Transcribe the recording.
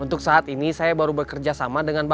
untuk saat ini saya baru bekerja sama dengan bapak